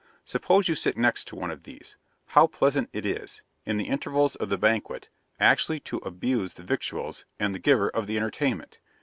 Suppose you sit next to one of these, how pleasant it is, in the intervals of the banquet, actually to abuse the victuals and the giver of the entertainment!